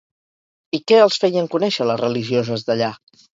I què els feien conèixer les religioses d'allà?